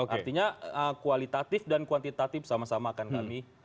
artinya kualitatif dan kuantitatif sama sama akan kami